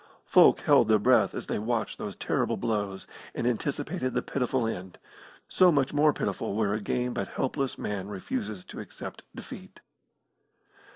Folk held their breath as they watched those terrible blows, and anticipated the pitiful end so much more pitiful where a game but helpless man refuses to accept defeat.